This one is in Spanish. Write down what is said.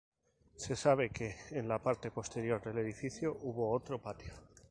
Se sabe que en la parte posterior del edificio hubo otro patio.